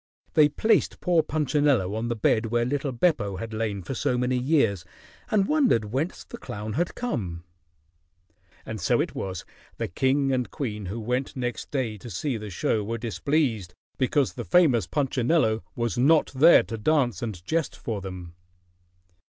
They placed poor Punchinello on the bed where little Beppo had lain for so many years, and wondered whence the clown had come. And so it was the king and queen who went next day to see the show were displeased because the famous Punchinello was not there to dance and jest for them.